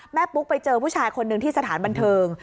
ปุ๊กไปเจอผู้ชายคนหนึ่งที่สถานบันเทิง